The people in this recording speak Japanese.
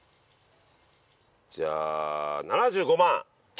じゃあ７５万。